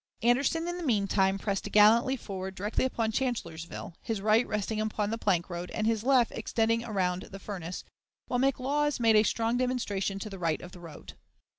Anderson, in the mean time, pressed gallantly forward directly upon Chancellorsville, his right resting upon the plank road and his left extending around the furnace, while McLaws made a strong demonstration to the right of the road.